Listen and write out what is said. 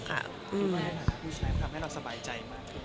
คุณแม่ทำให้เราสบายใจมาก